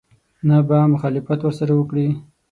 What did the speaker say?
نه به مخالفت ورسره وکړي.